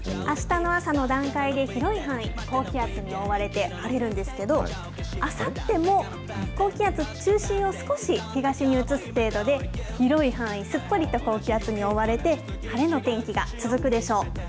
あしたの朝の段階で、広い範囲、高気圧に覆われて晴れるんですけど、あさっても高気圧、中心を少し東へ移す程度で、広い範囲、すっぽりと高気圧に覆われて、晴れの天気が続くでしょう。